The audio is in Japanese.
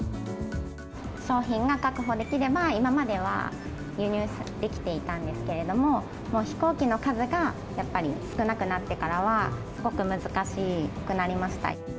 商品が確保できれば、今までは輸入できていたんですけれども、もう飛行機の数がやっぱり少なくなってからは、すごく難しくなりました。